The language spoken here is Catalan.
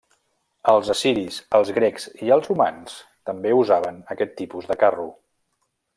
Els assiris, els grecs i els romans també usaven aquest tipus de carro.